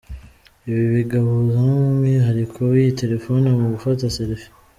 Ibi bigahuza n’umwihariko w’iyi telefone mu gufata selfie.